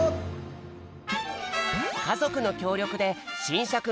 かぞくのきょうりょくでしんさく